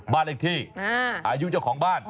บ้านเลขที่อายุเจ้าของบ้าน